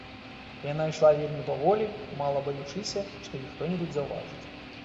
Яна ішла вельмі паволі, мала баючыся, што яе хто-небудзь заўважыць.